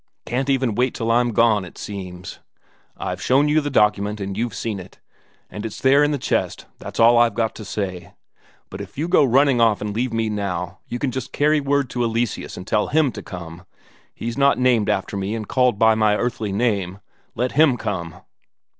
Can't even wait till I'm gone, it seems. I've shown you the document and you've seen it, and it's there in the chest that's all I've got to say. But if you go running off and leave me now, you can just carry word to Eleseus and tell him to come. He's not named after me and called by my earthly name let him come."